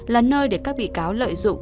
là nơi để các bị cáo lợi dụng